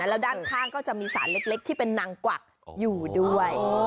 แล้วด้านข้างก็จะมีสารเล็กที่เป็นนางกวักอยู่ด้วย